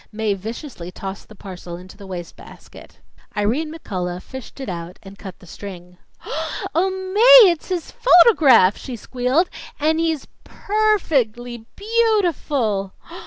Mae viciously tossed the parcel into the wastebasket. Irene McCullough fished it out and cut the string. "Oh, Mae, it's his photograph!" she squealed. "And he's per fect ly beau ti ful!"